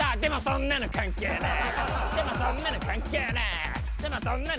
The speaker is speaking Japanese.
でもそんなの関係ねぇ。